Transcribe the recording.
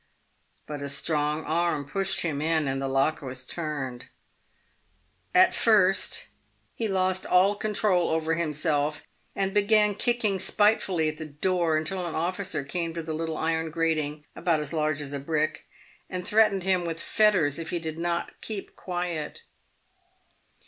But a strong arm pushed him in, and the lock was turned. At first he lost all control over himself, and began kicking spitefully at the door until an officer came to the little iron grating — about as large as a brick — and threatened him with fetters if he did not keep quiet.